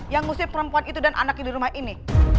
yang ngusip perempuan itu dan anaknya di rumah ini